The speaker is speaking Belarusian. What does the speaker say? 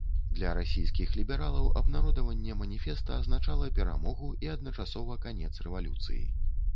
Для расійскіх лібералаў абнародаванне маніфеста азначала перамогу і адначасова канец рэвалюцыі.